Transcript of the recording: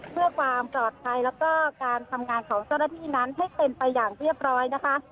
เพื่อความปลอดภัยแล้วก็การทำงานของเจ้าหน้าที่นั้นให้เป็นไปอย่างเรียบร้อยนะคะ